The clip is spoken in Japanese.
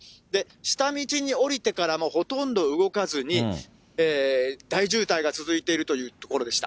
下道に降りてからも、ほとんど動かずに、大渋滞が続いているというところでした。